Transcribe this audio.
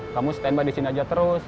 kamu stand by di sini aja terus